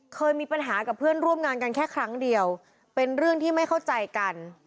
เคยมีปัญหากับเพื่อนร่วมงานกันแค่ครั้งเดียวเป็นเรื่องที่ไม่เข้าใจกัน